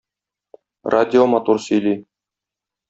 Радио матур сөйли.